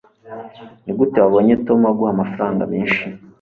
nigute wabonye tom aguha amafaranga menshi